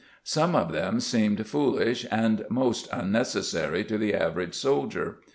Some of them seemed foolish and most unnecessary to the average soldier.